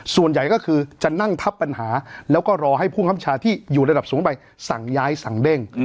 ส่วนใหญ่ก็คือจะนั่งทับปัญหาแล้วก็รอให้ผู้คำชาที่อยู่ระดับสูงไปสั่งย้ายสั่งเด้ง